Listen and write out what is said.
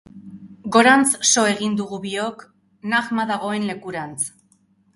Gorantz so egin dugu biok, Najma dagoen lekurantz.